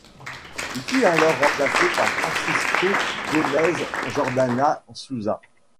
Il fut alors remplacé par Francisco Gómez-Jordana Sousa.